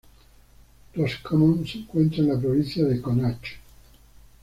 Roscommon se encuentra en la provincia de Connacht.